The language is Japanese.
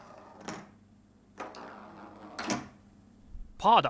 パーだ！